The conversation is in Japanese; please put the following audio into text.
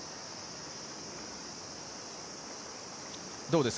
どうですか？